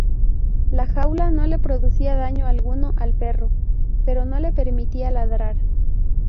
La jaula no le producía daño alguno al perro, pero no le permitía ladrar.